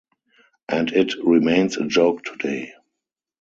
And it remains a joke today.